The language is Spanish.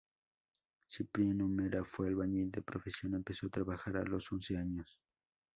Cipriano Mera fue albañil de profesión, empezó a trabajar a los once años.